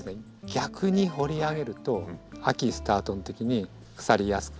逆に掘り上げると秋スタートのときに腐りやすくなる。